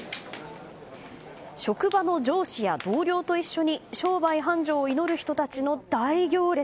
職場の上司や同僚と一緒に商売繁盛を祈る人たちの大行列。